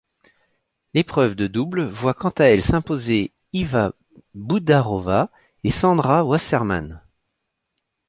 L'épreuve de double voit quant à elle s'imposer Iva Budařová et Sandra Wasserman.